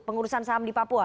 pengurusan saham di papua